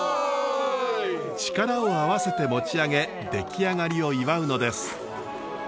力を合わせて持ち上げ出来上がりを祝うのです。